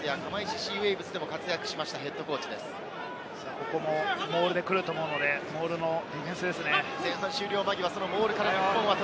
ここもモールで来ると思うので、モールのディフェンスですね。